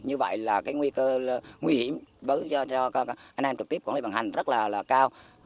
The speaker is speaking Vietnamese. như vậy là cái nguy cơ nguy hiểm cho anh em trực tiếp quản lý vận hành rất là cao